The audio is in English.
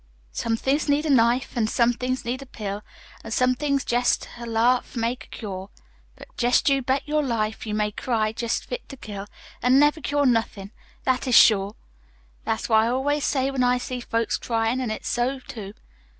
Some things need a knife, An' some things need a pill, An' some things jest a laugh'll make a cure. But jest you bet your life, You may cry jest fit to kill, An' never cure nothin' that is sure. That's what I always say when I see folks cryin'. An' it's so, too.